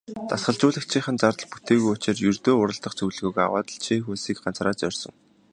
Дасгалжуулагчийнх нь зардал бүтээгүй учир ердөө уралдах зөвлөгөөгөө аваад л Чех улсыг ганцаараа зорьсон.